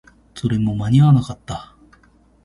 それも間に合わなかった